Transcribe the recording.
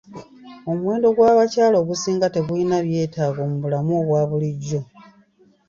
Omuwendo gw'abakyala ogusinga tegulina byetaago mu bulamu obwa bulijjo.